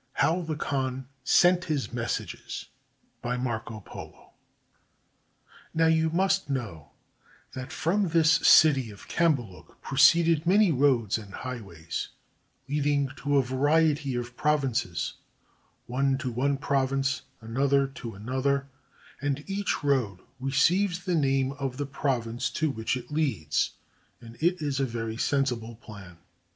HOW THE KHAN SENT HIS MESSAGES BY MARCO POLO Now you must know that from this city of Cambaluc proceed many roads and highways leading to a variety of provinces, one to one province, another to another; and each road receives the name of the province to which it leads; and it is a very sensible plan.